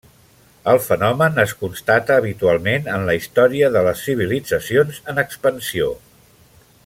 El fenomen es constata habitualment en la història de les civilitzacions en expansió.